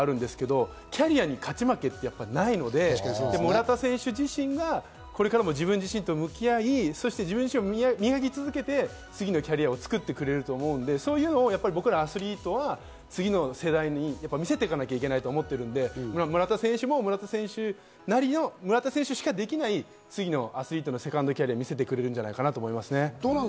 これからのセカンドキャリア、アスリートのキャリアトランディションとしては勝負の世界は勝ち負けがあるんですけど、キャリアには勝ち負けはないので、村田選手自身がこれからも自分自身と向き合い、そして自分自身を磨き上げ、次のキャリアを作ってくれると思うので、そういうのも僕らアスリートは次の世代に見せていかなきゃいけないと思うので、村田選手も村田選手なりの、村田選手しかできない、次のアスリートセカンドキャリアを見せてくれるんじゃないかなと思いますね。